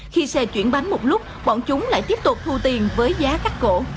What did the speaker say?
khi xe chuyển bánh một lúc bọn chúng lại tiếp tục thu tiền với giá cắt cổ